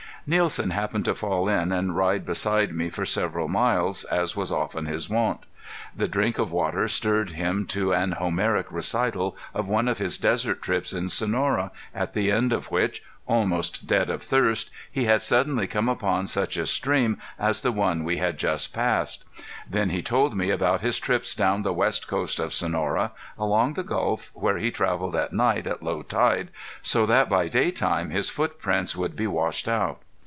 Nielsen happened to fall in and ride beside me for several miles, as was often his wont. The drink of water stirred him to an Homeric recital of one of his desert trips in Sonora, at the end of which, almost dead of thirst, he had suddenly come upon such a stream as the one we had just passed. Then he told me about his trips down the west coast of Sonora, along the Gulf, where he traveled at night, at low tide, so that by daytime his footprints would be washed out.